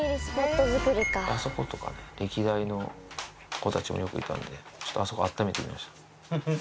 あそことかね、歴代の子たちも、よくいたんで、ちょっとあそこ、あっためてみました。